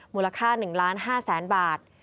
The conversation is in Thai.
มูลค่า๑๕๐๐๐๐บาท